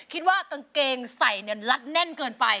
คิดว่ากางเกงใส่เนี่ยลัดแน่นเกินไป